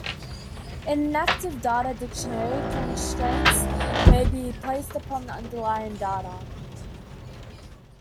In an active data dictionary constraints may be placed upon the underlying data.